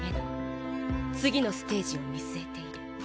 次のステージを見据えている。